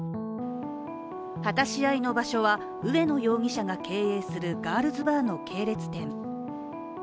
果たし合いの場所は上野容疑者が経営するガールズバーの系列店。